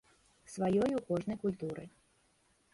Сваёй у кожнай культуры.